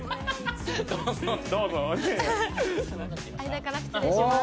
間から失礼します。